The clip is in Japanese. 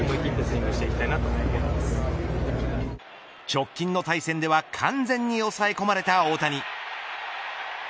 直近の対戦では完全に抑え込まれた大谷。